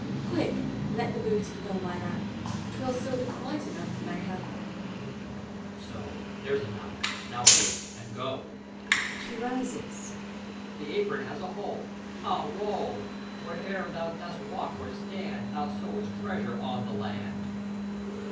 Quick, let the booty fill my lap ! 'T will still be quite enough, mayhap. HAVEQUICK. So ! there's enough ! Now haste, and go ! (She rises.) The apron has a holci ah woe I . Wherever thou dost walk or stand, Thou sowest treasure on the land.